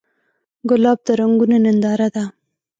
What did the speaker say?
ګلاب د رنګونو ننداره ده.